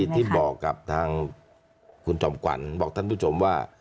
ที่บอกกับทางคุณจอมขวัญบอกท่านผู้ชมว่า